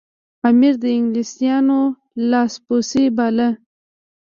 امیر د انګلیسیانو لاس پوڅی باله.